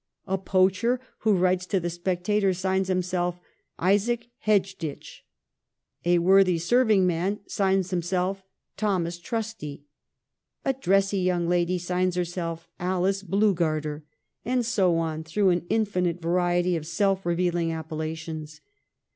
A poacher who writes to ' The Spectator ' signs himself Isaac Hedge ditch. A worthy serving man signs himself Thomas Trusty. A dressy young lady signs herself Alice Bluegarter, and so on through an infinite variety of self revealing appellations.